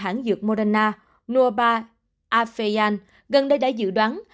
hãng dược moderna nurba afghan gần đây đã dự đoán